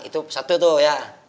itu satu tuh ya